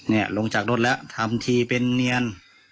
นี่ลงจากรถแล้วทำทีเป็นเนียน